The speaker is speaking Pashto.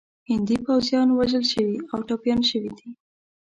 هندي پوځیان وژل شوي او ټپیان شوي دي.